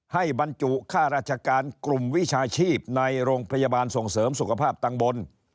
บรรจุค่าราชการกลุ่มวิชาชีพในโรงพยาบาลส่งเสริมสุขภาพตังบน